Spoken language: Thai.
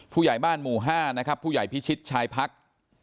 ผู้ใหญ่บ้านหมู่๕นะครับผู้ใหญ่พิชิตชายพัก